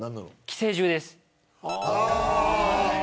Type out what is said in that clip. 寄生獣です。